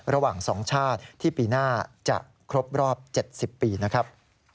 ระหว่าง๒ชาติที่ปีหน้าจะครบรอบ๗๐ปีนะครับ